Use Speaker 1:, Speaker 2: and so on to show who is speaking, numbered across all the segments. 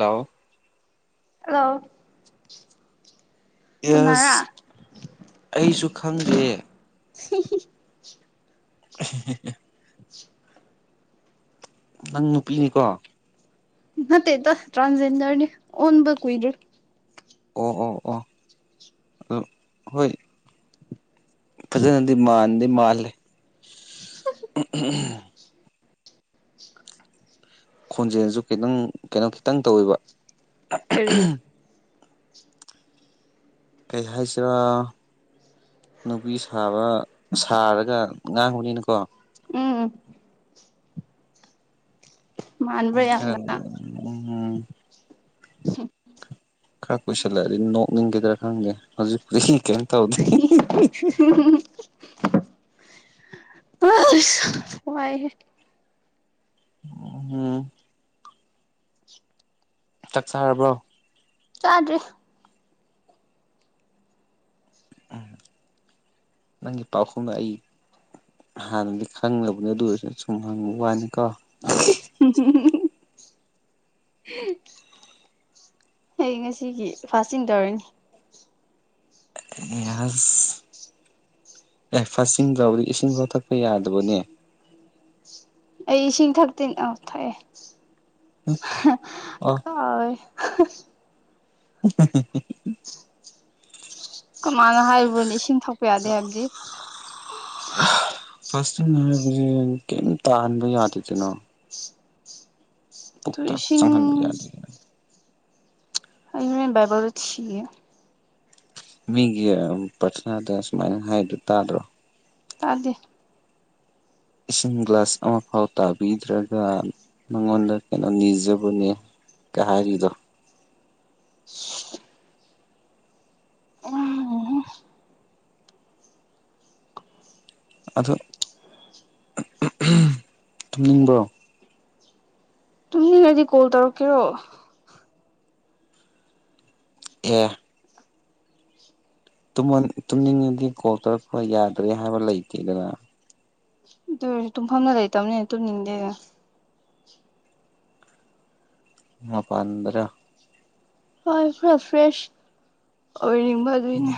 Speaker 1: Hello
Speaker 2: hello
Speaker 1: yes
Speaker 2: ꯎꯅꯔꯥ
Speaker 1: ꯑꯩꯁꯨ ꯈꯪꯗꯦ
Speaker 2: [unintelligible]
Speaker 1: ꯅꯪ ꯅꯨꯄꯤꯅꯤꯀꯣ
Speaker 2: ꯅꯥꯠꯇꯦꯗꯥ ꯇ꯭ꯔꯥꯟꯖꯦꯟꯗꯔꯅꯤ ꯑꯣꯟꯕ ꯀꯨꯣꯏꯗ꯭ꯔꯤ
Speaker 1: ꯑꯣ ꯑꯣ ꯑꯣ ꯑꯗꯨ ꯍꯣꯏ ꯐꯖꯅꯗꯤ ꯃꯥꯟꯗꯤ ꯃꯥꯜꯂꯦ ꯈꯣꯟꯖꯦꯜꯁꯨ ꯈꯤꯇꯪ ꯀꯩꯅꯣ ꯈꯤꯇꯪ ꯇꯧꯋꯦꯕ
Speaker 2: ꯀꯔꯤ
Speaker 1: ꯀꯩ ꯍꯥꯏꯁꯤꯔꯥ ꯅꯨꯄꯤ ꯁꯥꯕ ꯁꯥꯔꯒ ꯉꯥꯡꯉꯨꯅꯤꯅꯀꯣ
Speaker 2: ꯎꯝ ꯎꯝ ꯃꯥꯟꯕ꯭ꯔꯥ ꯌꯥꯝꯅ
Speaker 1: ꯈꯔꯟ ꯎꯝ ꯈꯔ ꯀꯨꯏꯁꯜꯂꯛꯑꯗꯤ ꯅꯣꯛꯅꯤꯡꯒꯤꯗ꯭ꯔꯥ ꯈꯪꯗꯦ ꯍꯧꯖꯤꯛꯇꯤ ꯀꯩꯝ ꯇꯧ
Speaker 2: [unintelligible] ꯑꯁ ꯋꯥꯏꯍꯦ
Speaker 1: ꯎꯝ ꯆꯥꯛ ꯆꯔꯕ꯭ꯔꯣ
Speaker 2: ꯆꯥꯗ꯭ꯔꯤ [unintelligible]
Speaker 1: ꯅꯪꯒꯤ ꯄꯥꯎꯈꯨꯝꯅ ꯑꯩ ꯍꯥꯟꯅꯗꯤ ꯈꯪꯂꯕꯅꯦ ꯑꯗꯨ ꯑꯣꯏꯔꯁꯨꯅ ꯁꯨꯝ ꯍꯪꯕ ꯋꯥꯅꯤꯀꯣ
Speaker 2: [unintelligible] ꯑꯩ ꯉꯁꯤꯒꯤ ꯐꯥꯁꯆꯤꯡ ꯇꯧꯔꯅꯤ
Speaker 1: ꯌꯥꯁ ꯑꯦ ꯐꯥꯁꯆꯤꯡ ꯇꯧꯕꯗꯤ ꯏꯁꯤꯡꯐꯥꯎ ꯊꯛꯄ ꯌꯥꯗꯕꯅꯦ
Speaker 2: ꯑꯩ ꯏꯁꯤꯡ ꯊꯛꯇ꯭ꯔꯤ ꯑꯣ ꯊꯛꯑꯦ
Speaker 1: ꯑ
Speaker 2: ꯀꯥꯎꯋꯦ [unintelligible]
Speaker 1: [unintelligible]
Speaker 2: ꯀꯃꯥꯏꯅ ꯍꯥꯏꯕ꯭ꯔꯣꯅꯦ ꯏꯁꯤꯡ ꯊꯛꯄ ꯌꯥꯗꯦ ꯍꯥꯏꯕꯗꯤ
Speaker 1: ꯐꯥꯁꯆꯤꯡ ꯍꯥꯏꯕꯁꯦ ꯀꯩꯝ ꯇꯥꯍꯟꯕ ꯌꯥꯗꯦꯗꯅ
Speaker 2: ꯑꯗꯨ
Speaker 1: ꯄꯨꯛꯇ
Speaker 2: ꯏꯁꯤꯡ
Speaker 1: ꯆꯪꯍꯟꯕ ꯌꯥꯗꯦ
Speaker 2: ꯑꯩ ꯍꯣꯔꯦꯟ ꯕꯥꯏꯕꯜꯗ ꯊꯤꯒꯦ
Speaker 1: ꯃꯤꯒꯤ ꯄꯔꯊꯅꯥꯗ ꯁꯨꯃꯥꯏꯅ ꯍꯥꯏꯗꯨ ꯇꯥꯗ꯭ꯔꯣ
Speaker 2: ꯇꯥꯗꯦ
Speaker 1: ꯏꯁꯤꯡ ꯒ꯭ꯂꯥꯁ ꯑꯃꯐꯥꯎ ꯇꯥꯕꯤꯗ꯭ꯔꯒ ꯃꯉꯣꯟꯗ ꯀꯩꯅꯣ ꯅꯤꯖꯕꯅꯦ ꯀ ꯍꯥꯏꯔꯤꯗꯣ ꯑꯗꯣ ꯇꯨꯝꯅꯤꯡꯕ꯭ꯔꯣ
Speaker 2: ꯇꯨꯝꯃꯤꯡꯉꯗꯤ ꯀꯣꯜ ꯇꯧꯔꯛꯀꯦꯔꯣ
Speaker 1: ꯑꯦ ꯇꯨꯝꯃꯣ ꯇꯨꯝꯅꯤꯡꯉꯗꯤ ꯀꯣꯜ ꯇꯧꯔꯛꯄ ꯌꯥꯗ꯭ꯔꯦ ꯍꯥꯏꯕ ꯂꯩꯇꯦꯗꯅ
Speaker 2: ꯑꯗꯨ ꯑꯣꯏꯔꯁꯨ ꯇꯨꯝꯐꯝꯅ ꯂꯩꯇꯕꯅꯤ ꯇꯨꯝꯅꯤꯡꯗꯦꯗ
Speaker 1: ꯃꯄꯥꯟꯗꯔ
Speaker 2: ꯍꯣꯏ ꯈꯔ ꯐ꯭ꯔꯦꯁ ꯑꯣꯏꯅꯤꯡꯕꯒꯤꯅꯦ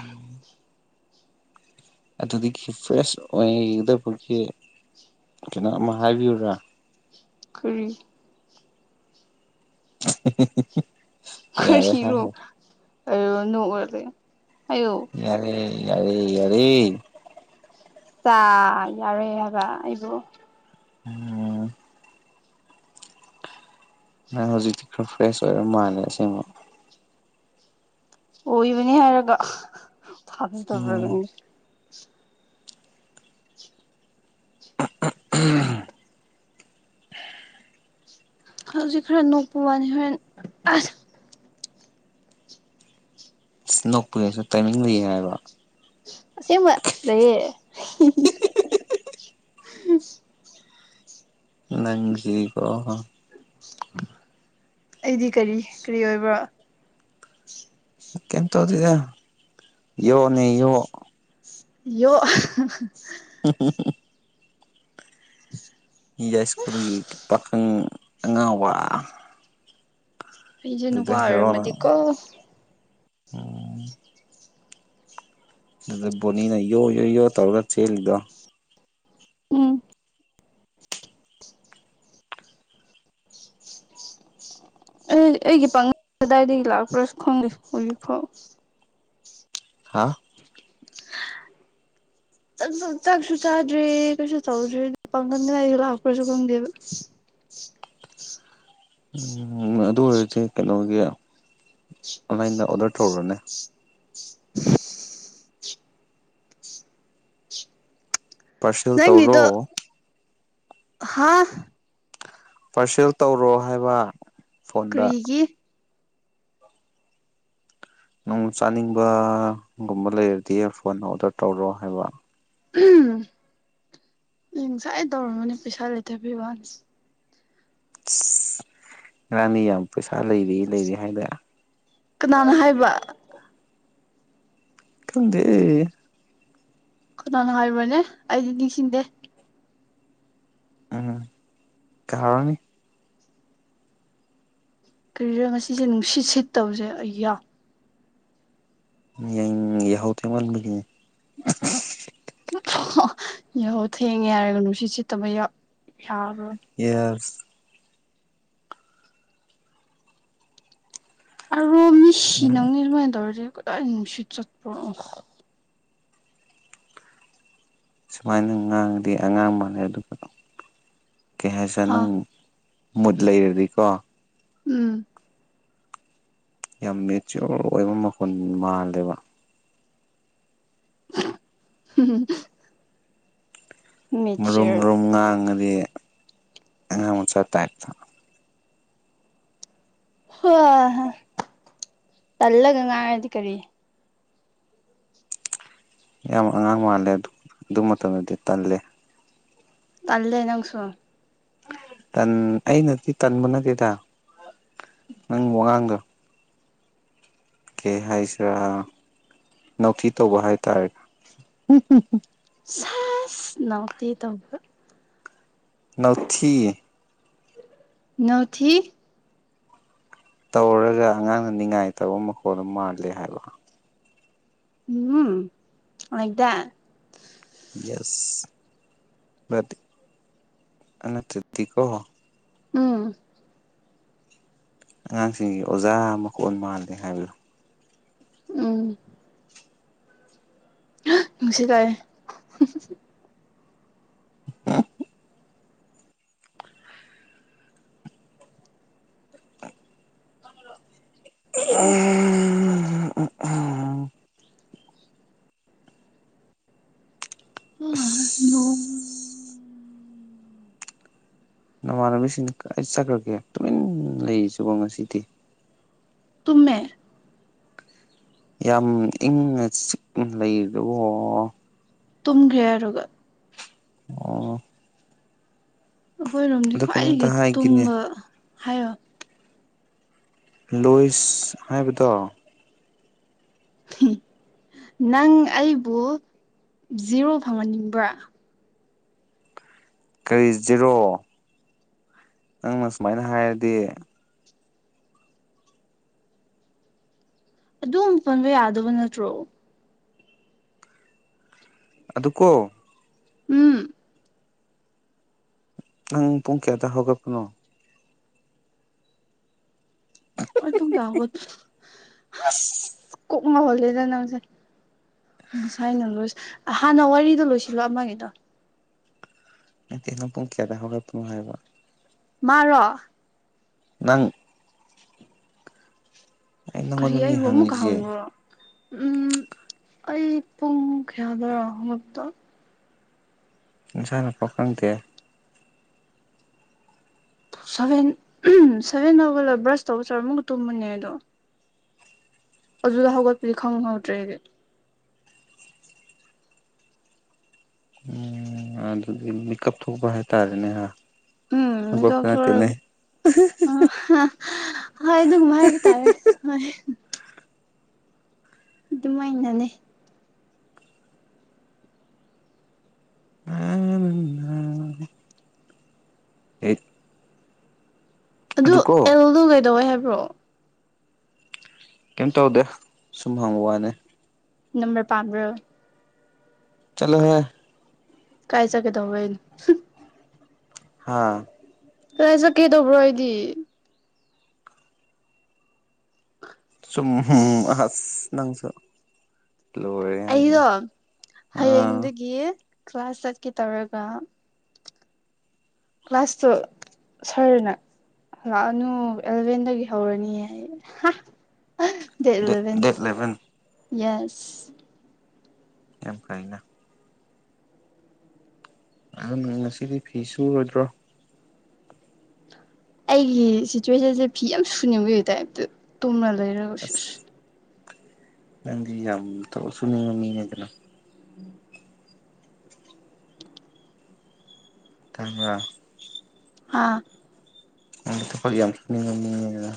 Speaker 1: ꯑꯗꯨꯒꯤ ꯀꯤ ꯐ꯭ꯔꯦꯁ ꯑꯣꯏꯗꯕꯒꯤ ꯀꯩꯅꯣ ꯑꯃ ꯍꯥꯏꯕꯤꯌꯨꯔꯥ
Speaker 2: ꯀꯔꯤ
Speaker 1: [unintelligible] ꯌꯥꯔꯦ
Speaker 2: ꯀꯔꯣꯅꯣ
Speaker 1: ꯍꯥꯏꯔꯣ
Speaker 2: ꯑꯌꯣ ꯅꯣꯛꯑ ꯂꯩ ꯍꯥꯏꯌꯣ
Speaker 1: ꯌꯥꯔꯦ ꯌꯥꯔꯦ ꯌꯥꯔꯦ
Speaker 2: ꯆꯥ ꯌꯥꯔꯦ ꯍꯥꯏꯕ ꯑꯩꯕꯨ
Speaker 1: ꯎꯝ ꯅꯪ ꯍꯧꯖꯤꯛꯇꯤ ꯈꯔ ꯐ꯭ꯔꯦꯁ ꯑꯣꯏꯔ ꯃꯥꯜꯂꯦ ꯑꯁꯦꯡꯕ
Speaker 2: ꯑꯣꯏꯕꯅꯤ ꯍꯥꯏꯔꯒ
Speaker 1: ꯎꯝ
Speaker 2: ꯊꯥꯖꯗꯕ꯭ꯔꯕꯏꯪꯗꯦ
Speaker 1: [unintelligible]
Speaker 2: ꯍꯧꯖꯤꯛ ꯈꯔ ꯅꯣꯛꯄ ꯋꯥꯅꯤ ꯍꯣꯔꯦꯟ ꯑꯁ
Speaker 1: ꯏꯁ ꯅꯣꯛꯄꯒꯤꯁꯨ ꯇꯥꯏꯃꯤꯡ ꯂꯩꯌꯦ ꯍꯥꯏꯕ
Speaker 2: ꯑꯁꯦꯡꯕ ꯂꯩꯌꯦ
Speaker 1: ꯅꯪꯖꯤꯗꯤ ꯀꯣ
Speaker 2: ꯑꯩꯗꯤ ꯀꯔꯤ ꯀ꯭ꯔꯤ ꯑꯣꯏꯕ꯭ꯔꯣ
Speaker 1: ꯀꯦꯝ ꯇꯧꯗꯦꯗ ꯌꯣꯅꯦ ꯌꯣ
Speaker 2: ꯌꯣ
Speaker 1: [unintelligible]
Speaker 2: [inaudible]
Speaker 1: ꯌꯥꯏꯁ꯭ꯀꯨꯜꯒꯤ ꯄꯥꯈꯪ ꯑꯉꯥꯎꯕ
Speaker 2: ꯑꯩꯖꯦ ꯅꯨꯄꯥ
Speaker 1: ꯑꯗꯨꯗ
Speaker 2: ꯑꯣꯏꯔꯝꯃꯗꯤꯀꯣ
Speaker 1: ꯑꯣ ꯑꯗ ꯕꯣꯅꯤꯅ ꯌꯣ ꯌꯣ ꯌꯣ ꯇꯧꯔꯒ ꯆꯦꯜꯂꯤꯗꯣ
Speaker 2: ꯎꯝ ꯑꯩ ꯑꯩꯒꯤ ꯄꯥꯉꯜ ꯀꯗꯥꯏꯗꯒꯤ ꯂꯥꯛꯄ꯭ꯔꯁꯨ ꯈꯪꯗꯦ ꯍꯧꯖꯤꯛꯐꯥꯎ
Speaker 1: ꯍꯥꯥ
Speaker 2: [inaudible] [unintelligible] ꯆꯥꯛꯁꯨ ꯆꯥꯗ꯭ꯔꯤ ꯀꯩꯁꯨ ꯇꯧꯗ꯭ꯔꯤ ꯄꯥꯡꯒꯟ ꯀꯗꯥꯏꯗꯩꯩ ꯂꯥꯛꯄ꯭ꯔꯁꯨ ꯈꯪꯗꯦꯕ
Speaker 1: ꯎꯝ ꯑꯗꯨ ꯑꯣꯏꯔꯗꯤ ꯀꯩꯅꯣꯒꯤ ꯑꯣꯟꯂꯥꯏꯟꯗ ꯑꯣꯗꯔ ꯇꯧꯔꯣꯅꯦ
Speaker 2: [inaudible]
Speaker 1: ꯄꯥꯔꯁꯦꯜ ꯇꯧꯔꯣ
Speaker 2: ꯍꯥꯥ
Speaker 1: ꯄꯥꯔꯁꯦꯜ ꯇꯧꯔꯣ ꯍꯥꯏꯕ ꯐꯣꯟꯗ
Speaker 2: ꯀ꯭ꯔꯤꯒꯤ
Speaker 1: ꯅꯨꯡ ꯆꯥꯅꯤꯡꯕꯥꯒꯨꯝꯕ ꯂꯩꯔꯗꯤ ꯐꯣꯟ ꯑꯣꯗꯔ ꯇꯧꯔꯣ ꯍꯥꯏꯕ꯫
Speaker 2: ꯑꯩ ꯉꯁꯥꯏ ꯇꯧꯔꯝꯃꯅꯤ ꯄꯩꯁꯥ ꯂꯩꯇꯕꯩ ꯋꯥꯅꯤ
Speaker 1: ꯉꯔꯥꯡꯗꯤ ꯌꯥꯝ ꯄꯩꯁꯥ ꯂꯩꯔꯤ ꯂꯩꯔꯤ ꯍꯥꯏꯗ
Speaker 2: ꯀꯅꯥꯅ ꯍꯥꯏꯕ꯫
Speaker 1: ꯈꯪꯗꯦꯑꯦ
Speaker 2: ꯀꯅꯥꯅ ꯍꯥꯏꯕ꯭ꯔꯅꯦ ꯑꯩꯗꯤ ꯅꯤꯡꯁꯤꯡꯗꯦ
Speaker 1: ꯎꯝ ꯀꯥꯍꯧꯅꯤ
Speaker 2: ꯀ꯭ꯔꯤꯔ ꯉꯁꯤꯁꯦ ꯅꯨꯡꯁꯤꯠ ꯁꯤꯠꯇꯕꯁꯦ ꯑꯩꯌꯥ
Speaker 1: [unintelligible] ꯌꯥꯍꯧ ꯊꯦꯡꯃꯟꯕꯒꯤꯅꯦ
Speaker 2: ꯌꯥꯍꯧ ꯊꯦꯡꯉꯦ ꯍꯥꯏꯔꯒ ꯅꯨꯡꯁꯤꯠ ꯁꯤꯠꯇꯕ ꯌꯥ ꯌꯥꯕ꯭ꯔꯥ
Speaker 1: ꯌꯦꯁ
Speaker 2: [unintelligible] ꯃꯤ
Speaker 1: ꯎꯝ
Speaker 2: ꯁꯤꯅꯪꯅꯤ ꯑꯗꯨꯃꯥꯏꯅ ꯇꯧꯔꯗꯤ ꯀꯗꯥꯏ ꯅꯨꯡꯁꯤꯠ ꯆꯠꯄ꯭ꯔꯣ ꯑꯣ
Speaker 1: ꯁꯨꯃꯥꯏꯅ ꯉꯥꯡꯉꯗꯤ ꯑꯉꯥꯡ ꯃꯥꯥꯟꯂꯦ ꯑꯗꯨꯒ ꯀꯩ ꯍꯥꯏꯖ
Speaker 2: ꯍꯥ
Speaker 1: ꯅꯪ ꯃꯨꯠ ꯂꯩꯔꯗꯤꯀꯣ
Speaker 2: ꯎꯝ
Speaker 1: ꯌꯥꯝ ꯃꯦꯆꯤꯌꯣꯔ ꯑꯣꯏꯕ ꯃꯈꯣꯜ ꯃꯥꯜꯂꯦꯕ
Speaker 2: [unintelligible]
Speaker 1: ꯃꯔꯨꯝ
Speaker 2: ꯃꯦꯆꯔ
Speaker 1: ꯃꯔꯨꯝ ꯉꯥꯡꯉꯗꯤ ꯑꯉꯥꯡ ꯃꯆꯥ ꯇꯥꯏꯞꯇ
Speaker 2: ꯍꯣ ꯍ ꯇꯜꯂꯒ ꯉꯥꯡꯔꯗꯤ ꯀꯔꯤ
Speaker 1: ꯌꯥꯝ ꯑꯉꯥꯡ ꯃꯥꯜꯂꯦ ꯑꯗꯨ ꯑꯗꯨ ꯃꯇꯝꯗꯗꯤ ꯇꯜꯂꯦ
Speaker 2: ꯇꯜꯂꯦ ꯅꯪꯁꯨ
Speaker 1: ꯇꯟ ꯑꯩꯅꯗꯤ ꯇꯟꯕ ꯅꯠꯇꯦꯗ ꯅꯪ ꯋꯥꯉꯥꯡꯗꯣ ꯀꯩ ꯍꯥꯏꯁꯤꯔꯥ ꯅꯧꯊꯤ ꯇꯧꯕ ꯍꯥꯏꯇꯥꯔꯦꯗ
Speaker 2: ꯁꯥꯁ ꯅꯧꯇꯤ ꯇꯧꯕ
Speaker 1: ꯅꯥꯎꯊꯤ
Speaker 2: ꯅꯧꯊꯤ
Speaker 1: ꯇꯧꯔꯒ ꯑꯉꯥꯡꯅ ꯅꯤꯡꯉꯥꯏ ꯇꯧꯕ ꯃꯈꯣꯟꯗꯣ ꯃꯥꯜꯂꯦ ꯍꯥꯏꯕ
Speaker 2: um Lai that
Speaker 1: yes but ꯅꯠꯇꯗꯤꯀꯣ
Speaker 2: ꯎꯝ
Speaker 1: ꯑꯉꯥꯡꯁꯤꯡꯒꯤ ꯑꯣꯖꯥ ꯃꯈꯣꯟ ꯃꯥꯜꯂꯦ ꯍꯥꯏꯕꯗꯣ
Speaker 2: ꯎꯝ ꯅꯨꯡꯁꯤꯠ ꯂꯥꯑꯦ
Speaker 1: [unintelligible] ꯑꯁ
Speaker 2: [unintelligible] ꯅꯣꯡ
Speaker 1: ꯅꯃꯥꯟꯅꯕꯤꯁꯤꯡ ꯀꯔꯥꯏ ꯆꯠꯈ꯭ꯔꯒꯦ ꯇꯨꯃꯤꯟ ꯂꯩꯔꯤꯁꯤꯕꯣ ꯉꯁꯤꯗꯤ
Speaker 2: ꯇꯨꯝꯃꯦ
Speaker 1: ꯌꯥꯝ ꯏꯪꯅ ꯆꯤꯛꯅ ꯂꯩꯔꯤꯗꯨꯕꯣ
Speaker 2: ꯇꯨꯝꯈ꯭ꯔꯦ ꯍꯥꯏꯔꯒ
Speaker 1: ꯑꯣ
Speaker 2: ꯑꯈꯣꯏ ꯔꯣꯝꯗꯤ
Speaker 1: ꯑꯗꯣ ꯀꯩꯅꯣꯝꯇ
Speaker 2: ꯈ꯭ꯋꯥꯏꯗꯒꯤ
Speaker 1: ꯍꯥꯏꯒꯦꯅꯦ
Speaker 2: ꯇꯨꯝꯕ ꯍꯥꯏꯌꯣ
Speaker 1: ꯂꯣꯏꯁ ꯍꯥꯏꯕꯗꯣ
Speaker 2: ꯅꯪ ꯑꯩꯕꯨ ꯖꯤꯔꯣ ꯐꯪꯍꯟꯅꯤꯡꯕ꯭ꯔꯥ
Speaker 1: ꯀꯔꯤ ꯖꯤꯔꯣ ꯅꯪꯅ ꯁꯨꯃꯥꯏꯅ ꯍꯥꯏꯔꯗꯤ
Speaker 2: ꯑꯗꯨꯝ ꯄꯟꯕ ꯌꯥꯗꯕ ꯅꯠꯇ꯭ꯔꯣ
Speaker 1: ꯑꯗꯨ ꯀꯣ
Speaker 2: ꯎꯝ
Speaker 1: ꯅꯪ ꯄꯨꯡ ꯀꯌꯥꯗ ꯍꯧꯒꯠꯄꯅꯣ
Speaker 2: ꯑꯩ ꯄꯨꯡꯀꯌꯥ ꯍꯧꯒꯠ ꯍꯁ ꯀꯣꯛ ꯉꯥꯎꯍꯜꯂꯦꯗ ꯅꯪꯁꯦ ꯉꯁꯥꯏꯅ ꯂꯣꯏꯁ ꯍꯥꯟꯅ ꯋꯥꯔꯤꯗꯣ ꯂꯣꯏꯁꯤꯜꯂꯣ ꯑꯃꯒꯤꯗꯣ
Speaker 1: ꯅꯇꯦ ꯅꯪ ꯄꯨꯡ ꯀꯌꯥꯗ ꯍꯧꯒꯠꯄꯅꯣ ꯍꯥꯏꯕ
Speaker 2: ꯃꯥꯔꯣ
Speaker 1: ꯅꯪ ꯑꯩ
Speaker 2: ꯀꯔꯤ
Speaker 1: ꯅꯪꯉꯣꯟꯗꯅꯤ
Speaker 2: ꯑꯩꯕꯨ ꯑꯃꯨꯛꯀ ꯍꯪ
Speaker 1: ꯍꯪꯉꯤꯁꯦ
Speaker 2: [unintelligible] ꯎꯝ ꯑꯩ ꯄꯨꯡ ꯀꯌꯥꯗꯔ ꯍꯧꯒꯠꯄꯗꯣ
Speaker 1: ꯅꯁꯥꯅ ꯄꯥꯎ ꯈꯪꯗꯦ
Speaker 2: ꯁꯚꯦꯟ ꯁꯚꯦꯟ ꯍꯧꯒꯠꯂ ꯕ꯭ꯔꯁ ꯇꯧꯕ ꯆꯔ ꯑꯃꯨꯒ ꯇꯨꯝꯕꯅꯦ ꯑꯗꯣ ꯑꯗꯨꯗ ꯍꯧꯒꯠꯄꯗꯤ ꯈꯪꯍꯧꯗ꯭ꯔꯦ ꯑꯦꯗꯤ
Speaker 1: ꯎꯝ ꯑꯗꯨꯗꯤ ꯃꯤꯀꯞ ꯊꯣꯛꯄ ꯍꯥꯏꯇꯥꯔꯦꯅꯦ ꯍꯥ
Speaker 2: ꯎꯝ ꯃꯤꯀꯞ
Speaker 1: ꯍꯧꯒꯠꯄ
Speaker 2: ꯊꯣꯔꯛ
Speaker 1: ꯅꯠꯇꯦꯅꯦ
Speaker 2: ꯍꯣꯏ ꯑꯗꯨꯒꯨꯝꯕ ꯍꯥꯏꯕ ꯇꯥꯔꯦ ꯍꯣꯏ ꯑꯗꯨꯃꯥꯏꯅꯅꯦ
Speaker 1: [unintelligible] ꯑꯦ
Speaker 2: ꯑꯗꯨ
Speaker 1: ꯑꯗꯨꯀꯣ
Speaker 2: ꯑꯦꯜꯗꯣ ꯀꯩꯗꯧꯋꯦ ꯍꯥꯏꯕ꯭ꯔꯣ
Speaker 1: ꯀꯩꯝ ꯇꯧꯗꯦ ꯁꯨꯝ ꯍꯪꯕ ꯋꯥꯅꯦ
Speaker 2: ꯅꯝꯕꯔ ꯄꯥꯝꯕ꯭ꯔꯣ
Speaker 1: ꯆꯂꯣꯍꯦ
Speaker 2: ꯀꯥꯏ ꯆꯒꯦꯇꯧꯕ꯭ꯔ ꯑꯩ
Speaker 1: ꯍꯥꯥ
Speaker 2: ꯀꯗꯥꯥꯏ ꯆꯠꯀꯦ ꯇꯧꯕ꯭ꯔꯣ ꯑꯩꯗꯤ
Speaker 1: ꯁꯨꯝ ꯑꯁ ꯅꯪꯁꯨ ꯂꯣꯏꯔꯦ ꯍꯥꯏꯁꯤꯅꯦ
Speaker 2: ꯑꯩꯗꯣ
Speaker 1: ꯑꯥ
Speaker 2: ꯍꯌꯦꯡꯗꯒꯤ ꯀ꯭ꯂꯥꯁ ꯆꯠꯀꯦ ꯇꯧꯔꯒ ꯀ꯭ꯂꯥꯁꯇꯣ ꯁꯔꯅ ꯂꯥꯛꯑꯅꯨ ꯑꯦꯂꯚꯦꯟꯗꯒꯤ ꯍꯧꯔꯅꯤ ꯍꯥꯏ that eleven
Speaker 1: that eleven
Speaker 2: yes
Speaker 1: ꯌꯥꯝ ꯐꯩꯅ [unintelligible] ꯉꯁꯤꯗꯤ ꯐꯤ ꯁꯨꯨꯔꯣꯏꯗ꯭ꯔꯣ
Speaker 2: ꯑꯩꯒꯤ ꯁꯤꯆꯨꯋꯦꯁꯟꯁꯦ ꯐꯤ ꯌꯥꯝ ꯁꯨꯅꯤꯡꯕꯒꯤ ꯇꯥꯏꯞꯇ ꯇꯨꯝꯃ ꯂꯩꯔꯒ
Speaker 1: ꯑꯁ ꯅꯪꯗꯤ ꯌꯥꯝ ꯊꯕꯛ ꯁꯨꯅꯤꯡꯕ ꯃꯤꯅꯦꯗꯅ ꯊꯪꯕ꯭ꯔ
Speaker 2: ꯍꯥ
Speaker 1: ꯅꯪꯒꯤ ꯊꯕꯛ ꯌꯥꯝ ꯁꯨꯅꯤꯡꯕ ꯃꯤꯅꯦꯗꯅ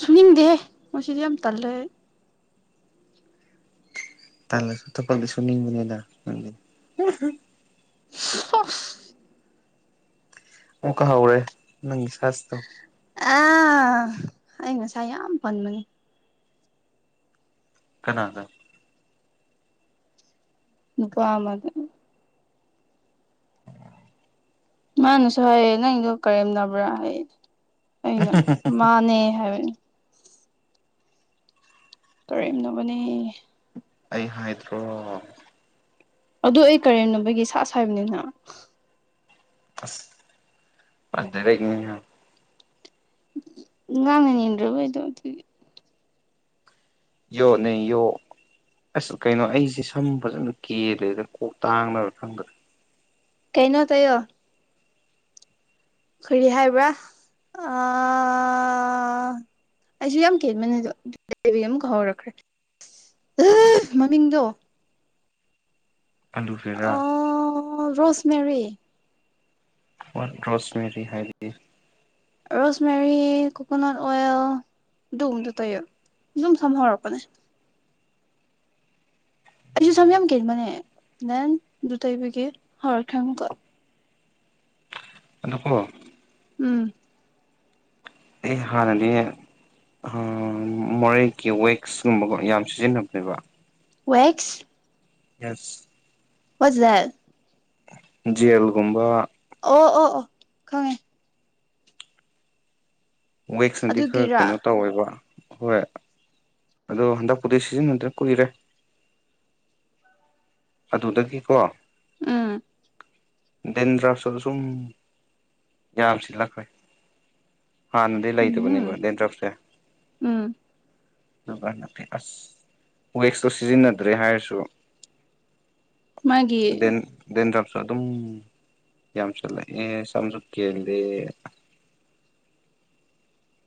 Speaker 2: ꯁꯨꯅꯤꯡꯗꯦꯍꯦ ꯉꯁꯤꯗꯤ ꯌꯥꯝ ꯇꯜꯂꯦ ꯑꯩ
Speaker 1: ꯇꯜꯂꯁꯨ ꯊꯕꯛꯗꯤ ꯁꯨꯅꯤꯡꯉꯤꯗꯅ ꯅꯪꯗꯤ
Speaker 2: [unintelligible]
Speaker 1: ꯑꯣꯀ ꯍꯧꯔꯦ ꯅꯪꯒꯤ ꯁꯁꯇꯣ
Speaker 2: ꯑꯥ ꯑꯩ ꯉꯁꯥꯏ ꯌꯥꯝ ꯄꯟꯕꯅꯤ
Speaker 1: ꯀꯅꯥꯗ
Speaker 2: ꯅꯨꯄꯥ ꯃꯗ ꯃꯥꯅꯁꯨ ꯍꯥꯏꯌꯦ ꯅꯪꯗꯣ ꯀꯔꯦꯝꯅꯕ꯭ꯔꯥ ꯍꯥꯏ ꯑꯩꯅ ꯃꯥꯅꯦ ꯍꯥꯏꯕ ꯀꯔꯦꯝꯅꯕꯅꯦ
Speaker 1: ꯑꯩ ꯍꯥꯏꯗ꯭ꯔꯣ
Speaker 2: ꯑꯗꯣ ꯑꯩ ꯀꯔꯦꯝꯅꯕꯒꯤ ꯁꯥꯁ ꯍꯥꯏꯕꯅꯤꯅ
Speaker 1: ꯑꯁ [unintelligible]
Speaker 2: ꯉꯥꯡꯅꯤꯡꯗ꯭ꯔꯕ ꯑꯩꯗꯣ ꯑꯗꯨꯒꯤ
Speaker 1: ꯌꯣꯠ ꯅꯦ ꯌꯣ ꯑꯁ ꯀꯩꯅꯣ ꯑꯩꯖꯦ ꯁꯝ ꯐꯖꯅ ꯀꯦꯜꯂꯦꯗ ꯀꯣꯛ ꯇꯥꯡꯕ꯭ꯔ ꯈꯪꯗꯦ
Speaker 2: ꯀꯩꯅꯣ ꯇꯩꯌꯣ ꯀꯔꯤ ꯍꯥꯏꯕ꯭ꯔꯥ ꯑꯥ ꯑꯩꯁꯨ ꯌꯥꯝ ꯀꯦꯟꯕꯅꯦ ꯑꯗꯣ [inaudible] ꯑꯃꯨꯛ ꯍꯧꯔꯛꯈ꯭ꯔꯦ ꯃꯃꯤꯡꯗꯣ
Speaker 1: ꯑꯗꯨꯒꯤꯔꯥ
Speaker 2: ꯑꯣ ꯔꯣꯁ ꯃꯦꯔꯤ
Speaker 1: ꯑꯣꯟ ꯔꯣꯁꯃꯦꯔꯤ ꯍꯥꯏ [unintelligible]
Speaker 2: ꯔꯣꯁ ꯃꯦꯔꯤ ꯀꯣꯀꯣꯅꯠ ꯑꯣꯏꯜ ꯗꯨꯒꯨꯝꯕꯗꯣ ꯇꯩꯌꯣ ꯗꯨꯝ ꯁꯝ ꯍꯧꯔꯛꯄꯅꯦ ꯑꯩꯖꯨ ꯁꯝ ꯌꯥꯝ ꯀꯦꯟꯕꯅꯦ ꯗꯦꯟ ꯑꯗꯨ ꯇꯩꯕꯒꯤ ꯍꯧꯔꯛꯈ꯭ꯔꯦ ꯑꯃꯨꯛꯀ
Speaker 1: ꯅꯀꯣ
Speaker 2: ꯎꯝ
Speaker 1: ꯑꯩ ꯍꯥꯟꯅꯗꯤꯅꯦ ꯃꯣꯔꯦꯒꯤ ꯋꯦꯛꯁꯀꯨꯝꯕ ꯀꯣ ꯌꯥꯝ ꯁꯤꯖꯤꯟꯅꯕꯅꯦꯕ
Speaker 2: ꯋꯦꯛꯁ
Speaker 1: ꯌꯦꯁ
Speaker 2: ꯋꯥꯠꯁ ꯗꯦꯠ
Speaker 1: ꯖꯦꯜꯒꯨꯝꯕ
Speaker 2: ꯑꯣ ꯑꯣ ꯑꯣ ꯈꯪꯉꯦ
Speaker 1: ꯋꯦꯛꯁꯅꯗꯤ ꯈꯔ
Speaker 2: ꯑꯗꯨꯒꯤꯔꯥ
Speaker 1: ꯀꯩꯅꯣ ꯇꯧꯋꯦꯕ ꯍꯣꯏ ꯑꯗꯣ ꯍꯟꯗꯛꯄꯨꯗꯤ ꯁꯤꯖꯤꯟꯅꯗ꯭ꯔꯦ ꯀꯨꯏꯔꯦ ꯑꯗꯨꯗꯒꯤꯀꯣ
Speaker 2: ꯎꯝ
Speaker 1: ꯗꯦꯟ ꯗ꯭ꯔꯥꯐ [unintelligible] ꯁꯨꯝ ꯌꯥꯝ ꯁꯤꯜꯂꯛꯈ꯭ꯔꯦ ꯍꯥꯟꯅꯗꯤ ꯂꯩꯇꯕꯅꯦꯕ
Speaker 2: ꯎꯝ
Speaker 1: ꯗꯦꯗ꯭ꯔꯞꯁꯦ
Speaker 2: ꯎꯝ
Speaker 1: ꯑꯗꯨꯒ ꯅ ꯐ ꯑꯁ ꯋꯦꯛꯁꯇꯣ ꯁꯤꯖꯤꯟꯅꯗ꯭ꯔꯦ ꯍꯥꯏꯔꯁꯨ
Speaker 2: ꯃꯥꯒꯤ
Speaker 1: ꯗꯦꯟ ꯗꯦꯟꯗ꯭ꯔꯞꯆꯨ ꯑꯗꯨꯝ ꯌꯥꯝ ꯆꯠꯂꯦ ꯑꯦ ꯁꯝꯖꯨ ꯀꯦꯜꯂꯦ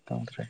Speaker 1: ꯇꯧꯗ꯭ꯔꯦ